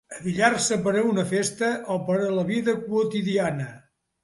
Abillar-se per a una festa o per a la vida quotidiana.